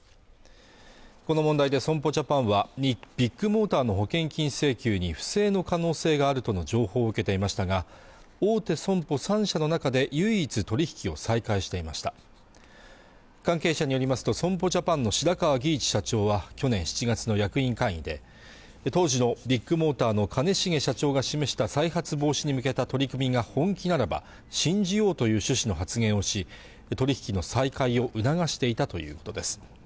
この問題で損保ジャパンはビッグモーターの保険金請求に不正の可能性があるとの情報を受けていましたが大手損保３社の中で唯一取引を再開していました関係者によりますと損保ジャパンの白川儀一社長は去年７月の役員会議で当時のビッグモーターの兼重社長が示した再発防止に向けた取り組みが本気ならば信じようという趣旨の発言をし取り引きの再開を促していたということです